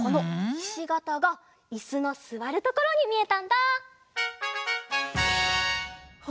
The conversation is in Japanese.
ひしがたがいすのすわるところになった！